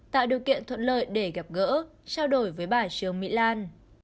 tạo điều kiện thuận lợi để gặp gỡ trao đổi với bà trương mỹ lan